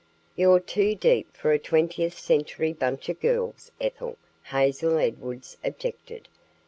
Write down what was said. "You're too deep for a twentieth century bunch of girls, Ethel," Hazel Edwards objected.